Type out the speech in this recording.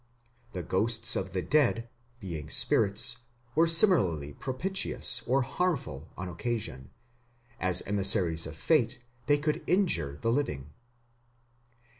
The ghosts of the dead, being spirits, were similarly propitious or harmful on occasion; as emissaries of Fate they could injure the living.